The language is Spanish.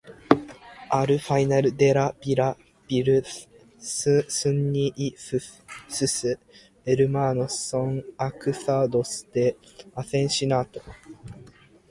Al final de La villa vil, Sunny y sus hermanos son acusados de asesinato.